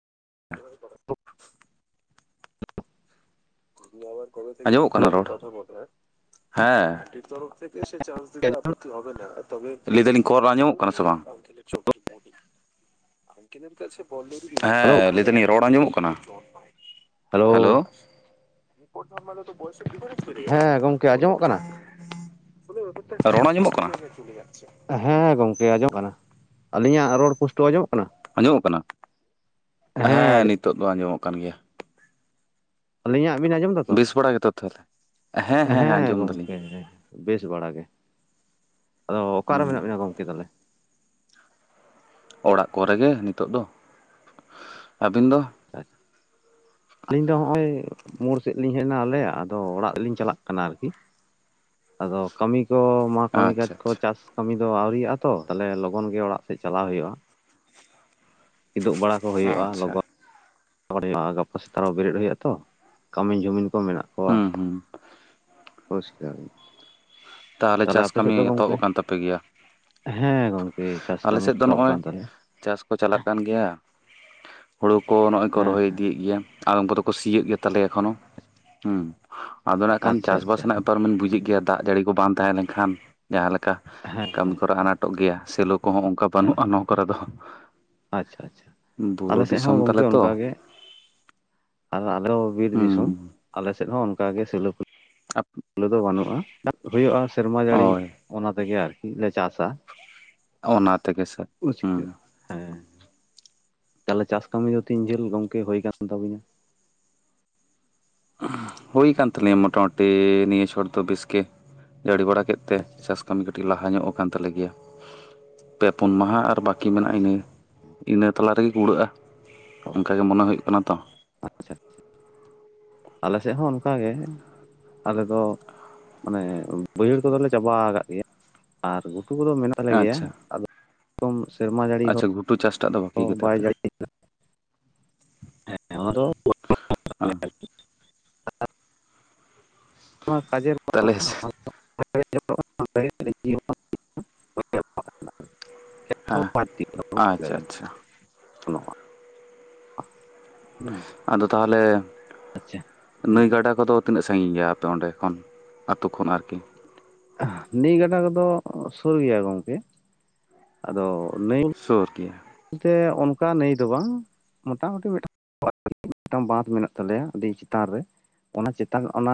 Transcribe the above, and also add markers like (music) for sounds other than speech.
Hello ᱟᱸᱡᱚᱢᱚᱜ ᱠᱟᱱᱟ hello ᱨᱚᱲ? ᱦᱮᱸ (unintelligible) ᱞᱟᱹᱭ ᱫᱟᱞᱤᱧ ᱠᱚᱞ ᱟᱸᱡᱚᱢᱚᱜ ᱠᱟᱱᱟ ᱥᱮ ᱵᱟᱝ? ᱦᱮᱞᱳ ᱦᱮᱸ ᱞᱟᱹᱭ ᱫᱟᱞᱤᱧ ᱨᱚᱲ ᱟᱸᱡᱚᱢᱚᱜ ᱠᱟᱱᱟ? ᱦᱮᱞᱳ ᱦᱮᱸ ᱜᱚᱢᱠᱮ ᱟᱸᱡᱚᱢᱚᱜ ᱠᱟᱱᱟ (inaudible) ᱨᱚᱲ ᱟᱡᱚᱢᱜ ᱠᱟᱱᱟ? ᱦᱮᱸ ᱜᱚᱝᱠᱮ ᱟᱸᱡᱚᱢ ᱠᱟᱱᱟ ᱟᱞᱤᱧᱟᱜ ᱨᱚᱲ ᱯᱩᱥᱴᱟᱹᱣ ᱟᱧᱡᱚᱢᱚᱜ ᱠᱟᱱᱟ? ᱟᱸᱡᱚᱢᱚᱜ ᱠᱟᱱᱟ, ᱦᱮᱸ ᱱᱤᱛᱚᱜ ᱫᱚ ᱟᱸᱡᱚᱢᱚᱜ ᱠᱟᱱ ᱜᱮᱭᱟ᱾ ᱟᱹᱞᱤᱧᱟᱜ ᱵᱤᱱ ᱟᱸᱡᱚᱢ ᱫᱟᱛᱚ ᱵᱮᱥ ᱵᱟᱲᱟ ᱜᱮᱛᱚ ᱛᱟᱦᱚᱞᱮ ᱦᱮᱸ ᱜᱚᱝᱠᱮ ᱾ ᱵᱮᱥ ᱵᱟᱲ ᱜᱮ ᱟᱫᱚ ᱚᱠᱟᱨᱮ ᱦᱩᱸ ᱢᱮᱱᱟᱜ ᱵᱮᱱᱟ ᱜᱚᱢᱠᱮ ᱛᱟᱦᱚᱞᱮ? ᱚᱲᱟᱜ ᱠᱚᱨᱮ ᱜᱮ ᱱᱤᱛᱚᱜ ᱫᱚ ᱟᱹᱵᱤᱱ ᱫᱚ? (inaudible) ᱟᱞᱤᱧ ᱫᱚ ᱱᱚᱜ-ᱚᱭ ᱢᱳᱲ ᱥᱮᱫ ᱞᱤᱧ ᱦᱮᱡ ᱮᱱᱟ ᱟᱞᱮ ᱟᱫᱚ ᱚᱲᱟᱜ ᱨᱮᱞᱤᱧ ᱪᱟᱞᱟᱜ ᱠᱟᱱᱟ ᱟᱨᱠᱤ ᱟᱫᱚ ᱠᱟᱹᱢᱤ ᱠᱚ ᱱᱚᱣᱟ ᱠᱟᱹᱢᱤ ᱠᱟᱡᱽ ᱟᱪᱪᱷᱟ ᱠᱚ ᱟᱪᱪᱷᱟ ᱪᱟᱥ ᱠᱟᱹᱢᱤ ᱫᱚ ᱛᱚ ᱛᱟᱦᱚᱞᱮ ᱞᱚᱜᱚᱱ ᱜᱮ ᱚᱲᱟᱜ ᱥᱮᱫ ᱪᱟᱞᱟᱜ ᱦᱩᱭᱩᱜ-ᱟ᱾ ᱠᱤᱫᱩᱜ ᱵᱟᱲᱟ ᱠᱚ ᱦᱩᱭᱩᱜ-ᱟ ᱟᱪᱪᱷᱟ ᱞᱚᱜᱚᱱ (inaudible) ᱜᱟᱯᱟ ᱥᱮᱛᱟᱜ ᱨᱮ ᱦᱚᱸ ᱵᱮᱨᱮᱫ ᱦᱩᱭᱩᱜ-ᱟ ᱛᱚ ᱠᱟᱹᱢᱤ ᱡᱩᱢᱤᱱ ᱠᱚ ᱢᱮᱱᱟᱜ ᱢᱮᱱᱟᱜ-ᱟ᱾ ᱦᱩᱸ ᱦᱩᱸ᱾ ᱯᱚᱨᱥᱠᱟᱨ ᱧᱚᱜ ᱾ ᱛᱟᱦᱚᱞᱮ ᱪᱟᱥ ᱠᱟᱹᱢᱤ ᱮᱛᱚᱦᱚᱵ ᱟᱠᱟᱱ ᱛᱟᱯᱮ ᱜᱮᱭᱟ? ᱦᱮᱸ ᱜᱚᱝᱠᱮ ᱪᱟᱥ ᱠᱟᱹᱢᱤ ᱮᱛᱚᱦᱚᱵ ᱠᱟᱱ ᱛᱟᱞᱮᱭᱟ᱾ ᱪᱟᱥᱠᱚ ᱪᱟᱞᱟᱜ ᱠᱟᱱ ᱜᱮᱭᱟ ᱦᱩᱲᱩ ᱠᱚ ᱱᱚᱜ-ᱚᱭ ᱠᱚ ᱦᱮᱸ ᱨᱚᱦᱚᱭ ᱤᱫᱤᱭᱮᱫ ᱜᱮᱭᱟ ᱟᱫᱚᱢ ᱠᱚᱫᱚ ᱠᱚ ᱥᱤᱭᱜ ᱜᱮᱭᱟ ᱛᱟᱞᱮᱭᱟ ᱮᱠᱷᱚᱱᱳ ᱦᱮᱸ᱾ ᱟᱫᱚ ᱱᱟᱜ ᱠᱷᱟᱱ ᱟᱪᱪᱷᱟ ᱪᱟᱥᱵᱟᱥ ᱟᱪᱪᱷᱟ ᱨᱮᱱᱟᱜ ᱵᱮᱯᱟᱨ ᱵᱤᱧ ᱵᱩᱡᱮᱫ ᱦᱩᱸ ᱜᱮᱭᱟ ᱫᱟᱜ ᱡᱟᱹᱲᱤ ᱠᱚ ᱵᱟᱝ ᱛᱟᱦᱮᱸ ᱞᱮᱱᱠᱷᱟᱱ ᱡᱟᱦᱟᱸ ᱞᱮᱠᱟ ᱦᱮᱸ ᱠᱟᱹᱢᱤ ᱠᱚᱨᱮ ᱟᱱᱟᱴᱚᱜ ᱜᱮᱭᱟ ᱥᱮᱞᱚ ᱠᱚᱦᱚᱸ ᱚᱱᱠᱟ ᱦᱮᱸ ᱵᱟᱹᱱᱩᱱ-ᱟ ᱱᱚᱣᱟ ᱠᱚᱨᱮ ᱫᱚ ᱟᱪᱪᱷᱟ ᱟᱪᱪᱷᱟ ᱟᱞᱮ ᱵᱩᱨᱩ ᱥᱮᱫ ᱦᱚᱸ ᱫᱤᱥᱚᱢ ᱜᱚᱝᱠᱮ ᱛᱟᱞᱮ ᱛᱚ ᱚᱱᱠᱟᱜ ᱜᱮ᱾ ᱟᱨ ᱟᱞᱮ ᱦᱚᱸ ᱵᱤᱨ ᱫᱤᱥᱚᱢ ᱦᱩᱸ ᱟᱞᱮ ᱥᱮᱫ ᱦᱚᱸ ᱚᱱᱠᱟ ᱜᱮ ᱥᱮᱞᱳ ᱠᱚ ᱥᱤᱞᱳ ᱫᱚ ᱵᱟᱹᱱᱩᱜ-ᱟ ᱦᱩᱭᱩᱜ-ᱟ ᱥᱮᱨᱢᱟ ᱡᱟᱹᱲᱤ ᱦᱳᱭ ᱚᱱᱟ ᱛᱮᱜᱮ ᱟᱨᱠᱤ ᱞᱮ ᱪᱟᱥ-ᱟ᱾ ᱚᱱᱟ ᱛᱮᱜᱮ ᱥᱮ ᱦᱩᱸ (inaudible) ᱦᱮᱸ ᱛᱟᱦᱚᱞᱮ ᱪᱟᱥ ᱠᱟᱹᱢᱤ ᱫᱚ ᱛᱤᱱ ᱡᱷᱟᱹᱞ ᱜᱚᱝᱠᱮ ᱦᱩᱭ ᱠᱟᱱ ᱛᱟᱵᱤᱱᱟ? ᱦᱩᱭ ᱠᱟᱱ ᱛᱟᱞᱤᱧ ᱢᱳᱚᱴᱟᱢᱩᱴᱤ ᱱᱤᱭᱟᱹ ᱪᱷᱚᱴ ᱫᱚ ᱵᱮᱥ ᱜᱮ᱾ ᱡᱟᱹᱲᱤ ᱵᱟᱲᱟ ᱠᱮᱫ ᱛᱮ ᱟᱪᱪᱷᱟ ᱪᱟᱥ ᱠᱟᱹᱢᱤ ᱠᱟᱹᱴᱤᱡ ᱞᱟᱦᱟ ᱧᱚᱜ ᱟᱠᱟᱱ ᱛᱟᱞᱮ ᱜᱮᱭᱟ ᱯᱮ ᱯᱩᱱ ᱢᱟᱦᱟ ᱟᱨ ᱟᱨ ᱵᱟᱹᱠᱤ ᱢᱮᱱᱟᱜ-ᱟ ᱟᱪᱪᱷᱟ ᱤᱱᱟᱹ ᱤᱱᱟᱹ ᱛᱟᱞᱟ ᱨᱮᱜᱮ ᱠᱩᱲᱟᱹᱜ-ᱟ ᱚ ᱚᱱᱠᱟ ᱜᱮᱮ ᱢᱚᱱᱮ ᱦᱩᱭᱩᱜ ᱠᱟᱱᱟ ᱛᱚ ᱟᱪᱪᱷᱟ ᱪᱷᱟ ᱟᱞᱮ ᱥᱮᱫ ᱦᱚᱸ ᱚᱱᱠᱟᱜᱮ ᱟᱞᱮ ᱫᱚᱼᱼ ᱢᱟᱱᱮ ᱵᱟᱹᱭᱦᱟᱹᱲ ᱠᱚᱫᱚᱞᱮ ᱪᱟᱵᱟᱣ ᱠᱟᱫ ᱜᱮᱭᱟ ᱟᱨ ᱜᱷᱩᱴᱩ ᱠᱚᱫᱚ ᱢᱮᱱᱟᱜ ᱞᱮ ᱜᱮᱭᱟ ᱟᱪᱪᱷᱟ ᱟᱫᱚᱼᱼ ᱛᱩᱝ ᱥᱮᱨᱢᱟ ᱡᱟᱹᱲᱤ ᱦᱚᱸ ᱟᱪᱪᱷᱟ ᱵᱟᱭ ᱡᱟᱹᱲᱤ (inaudible) ᱦᱮᱸ ᱚᱱᱟ ᱫᱚ ᱟᱸ ᱱᱚᱣᱟ ᱠᱟᱡᱮᱨ ᱼᱼ ᱛᱟᱞᱮᱥ (inaudible) ᱦᱮᱸ (inaudible) ᱟᱪᱪᱷᱟ ᱟᱪᱪᱷᱟ ᱟᱫᱚ ᱛᱟᱦᱞᱮ ᱟᱪᱪᱷᱟ ᱦᱩᱸ ᱱᱟᱹᱭ ᱜᱟᱰᱟ ᱠᱚᱫᱚ ᱛᱤᱱᱟᱹᱜ ᱥᱟᱸᱜᱤᱧ ᱜᱮᱭᱟ ᱟᱯᱮ ᱚᱸᱰᱮ ᱠᱷᱚᱱ, ᱟᱛᱩ ᱠᱷᱚᱱ ᱟᱨᱠᱤ ᱱᱟᱹᱭ ᱜᱟᱰᱟ ᱠᱚᱫᱚ ᱥᱩᱨ ᱜᱮᱭᱟ ᱜᱚᱝᱠᱮ ᱟᱫᱚ ᱱᱟᱹᱭᱼᱼ ᱥᱩᱨ ᱜᱮᱭᱟ᱾ ᱛᱮ ᱚᱱᱠᱟ ᱱᱟᱹᱭ ᱫᱚ ᱵᱟᱝ ᱢᱚᱴᱟᱢᱩᱴᱤ ᱢᱤᱫᱴᱟᱝ (inaudible) ᱢᱤᱫᱴᱟᱝ ᱵᱟᱸᱫ ᱢᱮᱱᱟᱜ ᱛᱟᱞᱮᱭᱟ ᱟᱹᱰᱤ ᱪᱮᱛᱟᱱ ᱨᱮ ᱚᱱᱟ ᱪᱮᱛᱟᱱ ᱚᱱᱟ